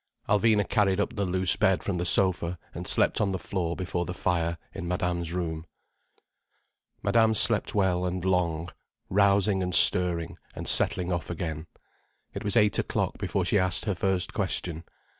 Alvina carried up the loose bed from the sofa, and slept on the floor before the fire in Madame's room. Madame slept well and long, rousing and stirring and settling off again. It was eight o'clock before she asked her first question.